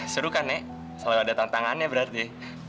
seru kan ya selalu ada tantangannya berarti